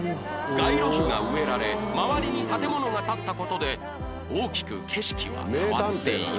街路樹が植えられ周りに建物が建った事で大きく景色が変わっている